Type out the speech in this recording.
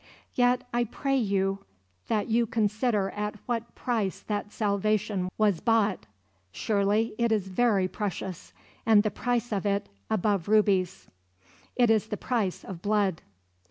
Yet I pray you that you consider at what price that salvation was bought. Surely it is very precious, and the price of it is above rubies; it is the price of blood."